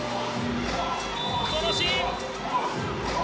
このシーン。